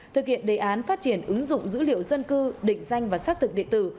thực hiện đề án phát triển ứng dụng dữ liệu dân cư định danh và xác thực địa tử